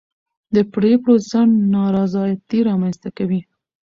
د پرېکړو ځنډ نارضایتي رامنځته کوي